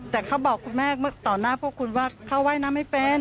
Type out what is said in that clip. แต่เขาบอกคุณแม่ต่อหน้าพวกคุณว่าเขาว่ายน้ำไม่เป็น